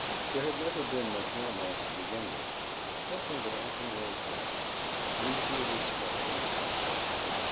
There had never been much romance to begin with, but something that often wears better mutual respect and affection.